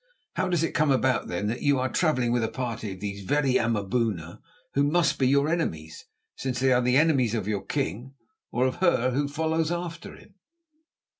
How does it come about then that you are travelling with a party of these very Amaboona who must be your enemies, since they are the enemies of your king, or of her who follows after him?"